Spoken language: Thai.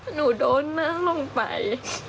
หนูโดนนั่งลงไป